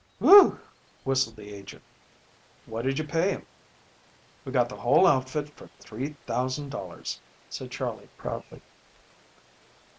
"Whew!" whistled the agent. "What did you pay him?" "We got the whole outfit for $3,000," said Charley proudly.